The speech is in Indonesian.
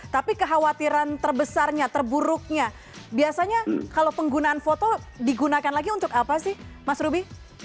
tapi kekhawatiran terbesarnya terburuknya biasanya kalau penggunaan foto digunakan lagi untuk apa sih mas ruby